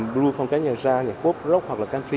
blue phong cách nhạc jazz nhạc pop rock hoặc country